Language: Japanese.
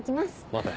待て。